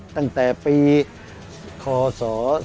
ตั้งแต่ปีคศ๒๕๖